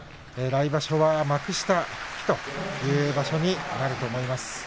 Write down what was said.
来場所は幕下という場所になります。